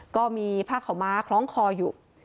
ก็มีผ้าขาวม้าคล้องคออยู่